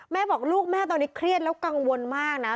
แม่บอกลูกแม่ตอนนี้เครียดแล้วกังวลมากนะ